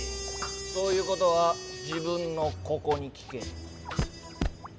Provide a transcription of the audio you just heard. そういうことは自分のココに聞け！